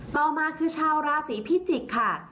ต่อมาคือชาวราศีพิจิกษ์ค่ะ